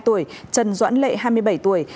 trần doãn lệ hai mươi bảy tuổi